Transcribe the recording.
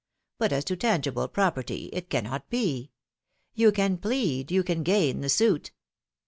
But as to tangible property — it cannot be I You can plead, you can gain the suit!"